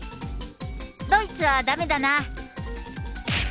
ドイツはだめだな。